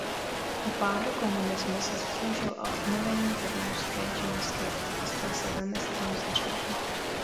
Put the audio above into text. Po pádu komunismu se zasloužil o obnovení zednářské činnosti a stal se velmistrem řádu.